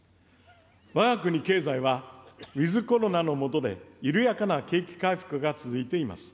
わが国経済は、ウィズコロナの下で緩やかな景気回復が続いています。